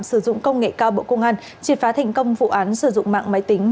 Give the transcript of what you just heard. sử dụng công nghệ cao bộ công an triệt phá thành công vụ án sử dụng mạng máy tính